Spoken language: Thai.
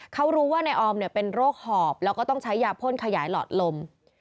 เขารู้ว่านายออมเป็นโรคหอบแล้วก็ต้องใช้ยาพ่นขยายหลอดลม